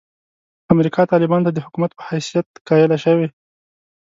امریکا طالبانو ته د حکومت په حیثیت قایله شوې.